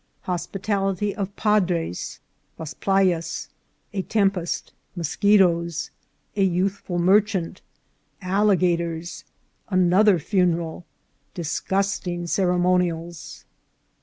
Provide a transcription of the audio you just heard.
— Hospitality of Padres. — Las Playas. — A Tempest. — Moschetoes. — A Youthful Merchant. — Alligators. — Another Funeral. — Disgusting Ceremonials.